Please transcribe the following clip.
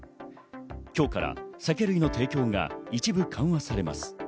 今日から酒類の提供が一部緩和されます。